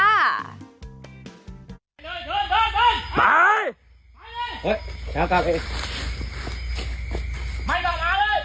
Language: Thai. ไปเลยไปไปเลยไม่ต้องสู้ไปเลย